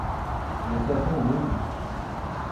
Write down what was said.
Você é tão rude!